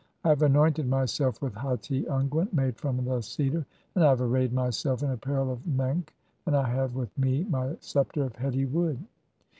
I have "anointed myself (4) with hati unguent [made from] the cedar, "I have arrayed myself in apparel of menkh, and I have with "me my sceptre of heti wood."